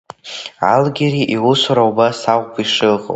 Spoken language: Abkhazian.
Алгьери иусура убас ауп ишыҟоу.